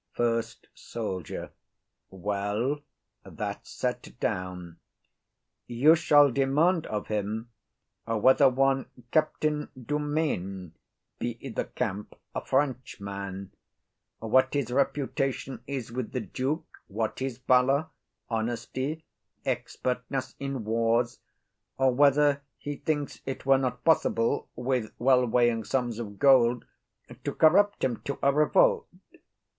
FIRST SOLDIER. Well, that's set down. 'You shall demand of him whether one Captain Dumaine be i' the camp, a Frenchman; what his reputation is with the duke, what his valour, honesty and expertness in wars; or whether he thinks it were not possible with well weighing sums of gold to corrupt him to a revolt.